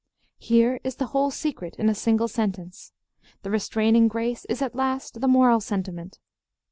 Here is the whole secret in a single sentence. The restraining grace is "at last the moral sentiment."